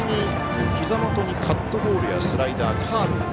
ひざ元にカットボールやスライダー、カーブ